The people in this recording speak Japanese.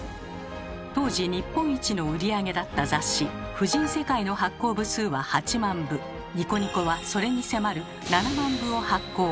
当時日本一の売り上げだった雑誌「婦人世界」の発行部数は「ニコニコ」はそれに迫る７万部を発行。